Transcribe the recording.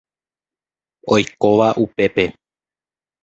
Oikóva upépe.